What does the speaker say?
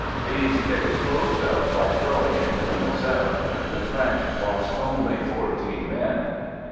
These they disposed of by throwing into the Moselle. The French lost only fourteen men.